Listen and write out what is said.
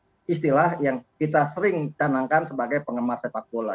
ini adalah yang kita sering kenangkan sebagai penggemar sepak bola